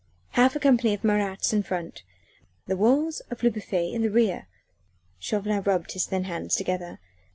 Half a company of Marats in front the walls of Le Bouffay in the rear! Chauvelin rubbed his thin hands together!